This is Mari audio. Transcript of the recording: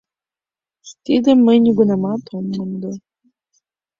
Тидым мый нигунамат ом мондо.